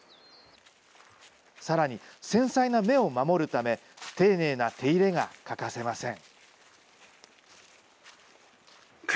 さらに繊細な芽を守るため、丁寧な手入れが欠かせません。